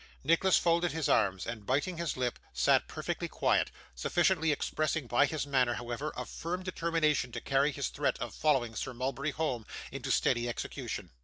Nicholas folded his arms, and biting his lip, sat perfectly quiet; sufficiently expressing by his manner, however, a firm determination to carry his threat of following Sir Mulberry home, into steady execution.